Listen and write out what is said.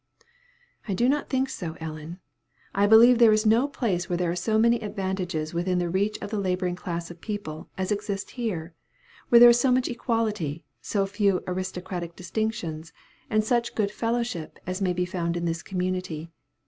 "I do not think so, Ellen. I believe there is no place where there are so many advantages within the reach of the laboring class of people, as exist here; where there is so much equality, so few aristocratic distinctions, and such good fellowship, as may be found in this community.